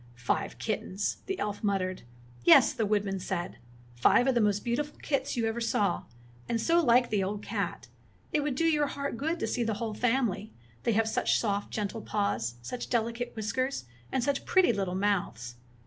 "Five kittens!" the elf miittered. "Yes," the woodman said, "five of the most beautiful kits you ever saw, and so like the old cat! It would do your heart good to see the whole family, they have such soft, gentle paws, such delicate whiskers, and such pretty little mouths!